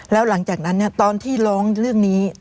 แล้วหลังจากนั้นตอนที่ร้องเรื่องนี้